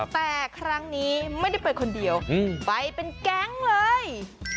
แต่ครั้งนี้ไม่ได้ไปคนเดียวไปเป็นแก๊งเลย